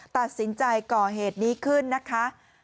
ตัดสินใจก่อเหตุนี้ขึ้นนะคะ